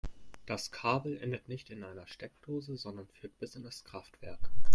Das Kabel endet nicht in einer Steckdose, sondern führt bis in das Kraftwerk.